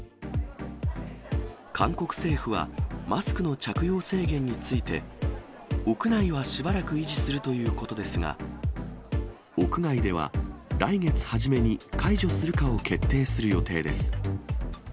韓国政府は、マスクの着用制限について、屋内はしばらく維持するということですが、屋外では、来月初めに解除するかを決定する予定です。